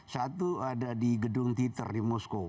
satu ada di gedung twitter di moskow